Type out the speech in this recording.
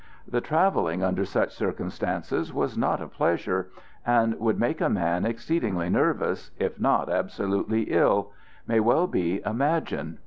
That travelling under such circumstances was not a pleasure, and would make a man exceedingly nervous, if not absolutely ill, may well be imagined.